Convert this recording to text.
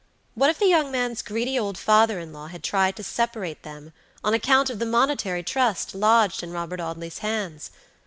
What if the young man's greedy old father in law had tried to separate them on account of the monetary trust lodged in Robert Audley's hands?